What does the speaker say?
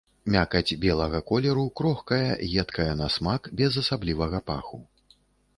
Мякаць белага колеру, крохкая, едкая на смак, без асаблівага паху.